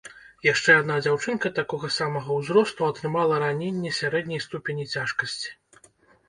Яшчэ адна дзяўчынка такога самага ўзросту атрымала раненне сярэдняй ступені цяжкасці.